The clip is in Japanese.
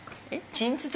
ちんつた？